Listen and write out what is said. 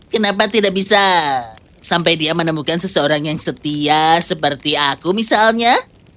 kenapa tidak bisa sampai dia menemukan seseorang yang setia seperti aku misalnya